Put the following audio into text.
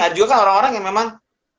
ada juga orang orang yang memang